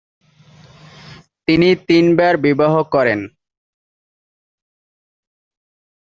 তিনি তিনবার বিবাহ করেন।